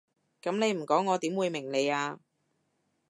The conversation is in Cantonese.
噉你唔講我點會明你啊？